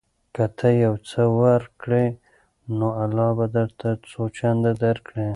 که ته یو څه ورکړې نو الله به درته څو چنده درکړي.